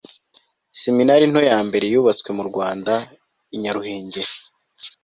seminari nto yambere yubatswe mu rwanda, i nyaruhengeri